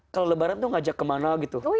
kalau lebaran tuh ngajak kemana gitu